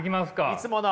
いつもの。